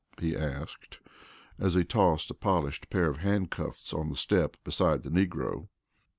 he asked, as he tossed a polished pair of handcuffs on the step beside the negro.